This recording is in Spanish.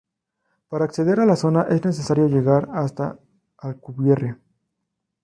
Para acceder a la zona es necesario llegar hasta Alcubierre.